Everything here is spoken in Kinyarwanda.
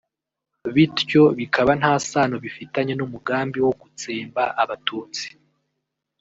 bityo bikaba nta sano bifitanye n’umugambi wo gutsemba abatutsi